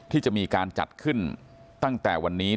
ที่จะมีการจัดขึ้นตั้งแต่วันนี้